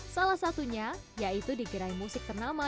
salah satunya yaitu di gerai musik ternama